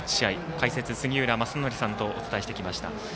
解説、杉浦正則さんとお伝えしてきました。